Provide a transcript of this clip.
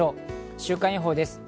週間予報です。